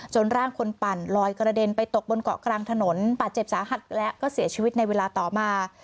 ร่างคนปั่นลอยกระเด็นไปตกบนเกาะกลางถนนบาดเจ็บสาหัสและก็เสียชีวิตในเวลาต่อมา